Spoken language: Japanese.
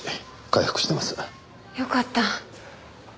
よかった。